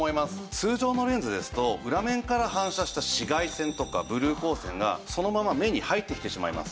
通常のレンズですと裏面から反射した紫外線とかブルー光線がそのまま目に入ってきてしまいます。